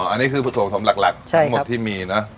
อันนี้คือส่วนหลักที่มีเนอะ